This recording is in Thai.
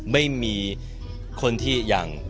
ไม่มีคนที่อยาก